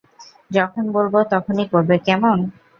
যখন বলব তখনই করবে, কেমন?